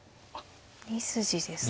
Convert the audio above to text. ２筋ですか。